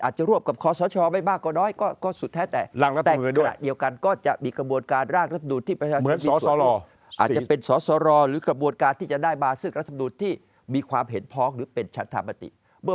อาจจะรวบกับข้อสอชอไม่มากก็น้อยก็สุดท้ายแต่